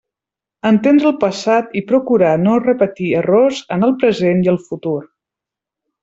Entendre el passat i procurar no repetir errors en el present i el futur.